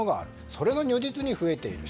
それが如実に増えている。